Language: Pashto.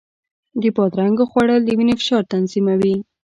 د بادرنګو خوړل د وینې فشار تنظیموي.